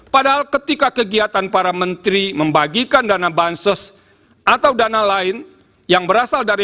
padahal ketika kegiatan para menteri membagikan dana bansos atau dana lain yang berasal dari